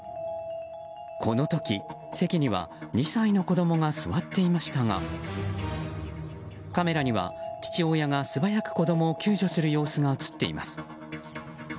この時、席には２歳の子供が座っていましたがカメラには父親が素早く子供を救助する様子が映っています。